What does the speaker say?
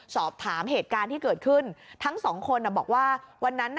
สอบถามเหตุการณ์ที่เกิดขึ้นทั้งสองคนบอกว่าวันนั้นน่ะ